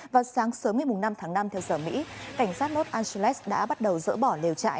vào sáng sớm ngày năm tháng năm theo giờ mỹ cảnh sát north angeles đã bắt đầu dỡ bỏ liều chạy